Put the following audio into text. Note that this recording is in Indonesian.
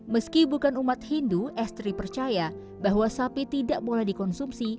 meski bukan umat hindu estri percaya bahwa sapi tidak boleh dikonsumsi